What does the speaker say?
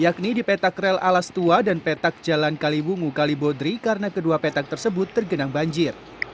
yakni di petak rel alas tua dan petak jalan kalibungu kalibodri karena kedua petak tersebut tergenang banjir